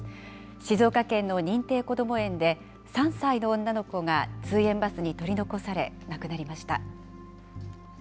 静岡県の認定こども園で、３歳の女の子が通園バスに取り残され、亡くなりました。